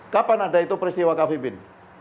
kapan ada itu peristiwa cafe bean